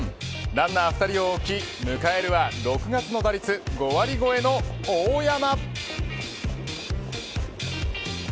ランナー２人を置き迎えるは６月の打率５割超えの大山。